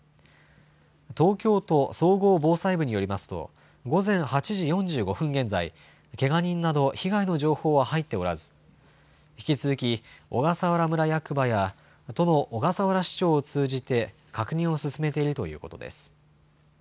東京都総合防災部によりますと午前８時４５分現在、けが人など被害の情報は入っておらず、引き続き小笠原村役場や都の小笠原支庁を通じて確認を進めているということです。